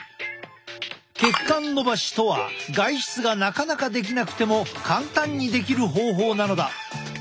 血管のばしとは外出がなかなかできなくても簡単にできる方法なのだ。